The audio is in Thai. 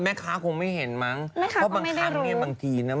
คงไม่เห็นมั้งเพราะบางครั้งเนี่ยบางทีนะ